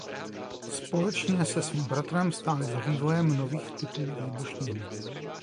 Společně se svým bratrem stáli za vývojem nových typů výbušnin.